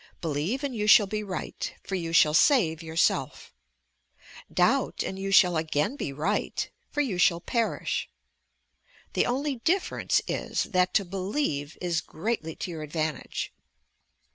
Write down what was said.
'Believe and you shall be right, for you shall save yourself.' 'Doubt, and you shall again be right, for you shall perish,' The only difference is, that to believe is greatly to your advantage."